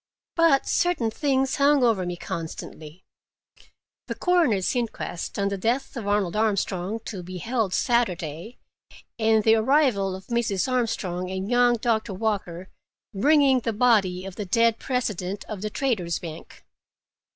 But certain things hung over me constantly; the coroner's inquest on the death of Arnold Armstrong, to be held Saturday, and the arrival of Mrs. Armstrong and young Doctor Walker, bringing the body of the dead president of the Traders' Bank.